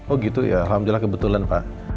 oh gitu ya alhamdulillah kebetulan pak